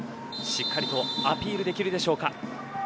しっかりとアピールできるでしょうか。